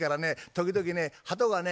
時々ねハトがね